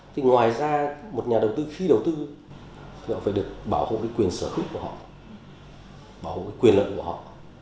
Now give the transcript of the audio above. thì ngoài ra một nhà đầu tư khi đầu tư thì họ phải được bảo hộ cái quyền sở hữu của họ bảo hộ cái quyền lợi của họ